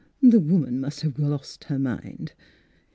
" The woman must have lost her mind